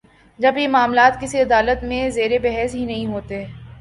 جب یہ معاملات کسی عدالت میں زیر بحث ہی نہیں تھے۔